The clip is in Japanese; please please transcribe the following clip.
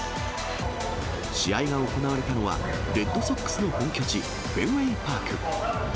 試合が行われたのは、レッドソックスの本拠地、フェンウェイ・パーク。